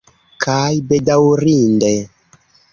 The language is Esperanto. Kaj, bedaŭrinde...